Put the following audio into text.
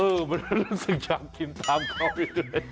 เออมันรู้สึกอยากกินตามเขาเลย